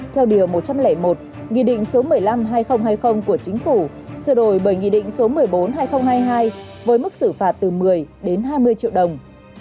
theo điều một trăm linh một nghị định số một mươi năm hai nghìn hai mươi của chính phủ sửa đổi bởi nghị định số một mươi bốn hai nghìn hai mươi hai với mức xử phạt từ một mươi đến hai mươi triệu đồng